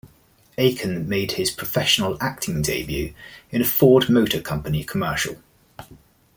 Aiken made his professional acting debut in a Ford Motor Company commercial.